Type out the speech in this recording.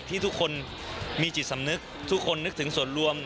ที่ทุกคนมีจิตสำนึกทุกคนนึกถึงส่วนรวม